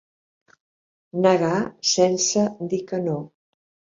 Negar sense dir que no.